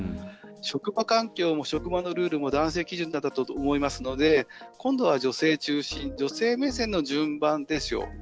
職場環境も職場のルールも男性基準だったと思いますので今度は女性中心女性目線の順番ですよ。